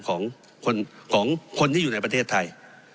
ของคนที่อยู่ในประเทศไทย